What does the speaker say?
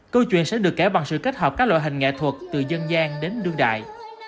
câu chuyện sẽ được kể bằng sự kết hợp các loại hình nghệ thuật từ dân gian đến đương đại